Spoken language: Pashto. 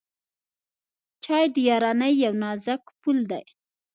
چای د یارانۍ یو نازک پُل دی.